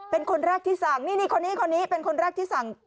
เป็นคนแรกที่สั่งนี่คนนี้คนนี้เป็นคนแรกที่สั่ง